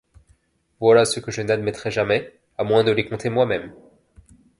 Voilà ce que je n’admettrai jamais, à moins de les compter moi-même.